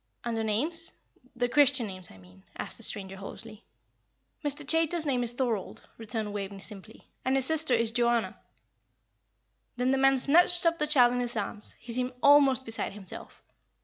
"And their names? their Christian names, I mean?" asked the stranger, hoarsely. "Mr. Chaytor's name is Thorold," returned Waveney, simply, "and his sister is Joanna." Then the man snatched up the child in his arms; he seemed almost beside himself.